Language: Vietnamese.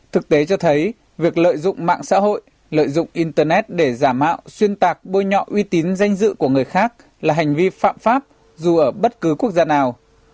thực tế cho thấy việc lợi dụng mạng xã hội lợi dụng internet để giả mạo xuyên tạc bôi nhọ uy tín danh dự của người khác là hành vi phạm pháp dù ở bất cứ quốc gia nào